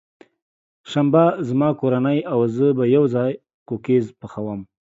شنبه، زما کورنۍ او زه به یوځای کوکیز پخوم.